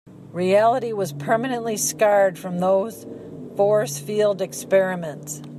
Reality was permanently scarred from those force field experiments.